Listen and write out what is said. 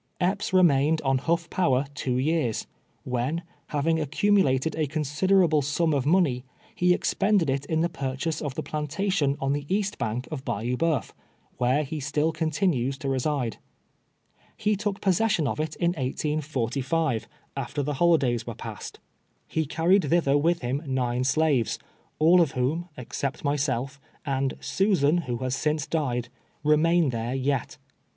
Epps renuiined on Ilutf Power two years, when, having accumulated a considerable sum of money, he expended it in tlie purchase of the plantation on the east bank of Bayou Bo^if, M'here he still continues to reside. lie took possession of it in 1845, after the UNCLE ABRAM, WU.EY, <feC. 185 liolidavs were passed. lie carried thither with him nine slaves, all of whom, except myself, and Susan, who has since died, remain there yet.